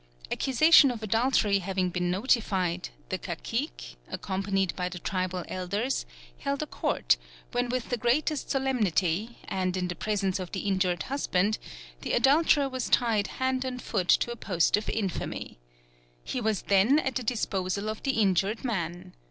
Accusation of adultery having been notified, the cacique, accompanied by the tribal elders, held a court, when with the greatest solemnity, and in the presence of the injured husband, the adulterer was tied hand and foot to a post of infamy. He was then at the disposal of the injured man.